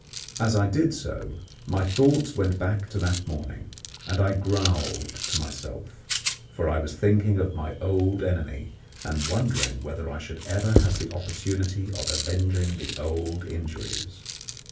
As I did so, my thoughts went back to that morning, and I growled to myself; for I was thinking of my old enemy, and wondering whether I should ever have the opportunity of avenging the old injuries.